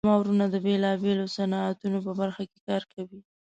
زما وروڼه د بیلابیلو صنعتونو په برخه کې کار کوي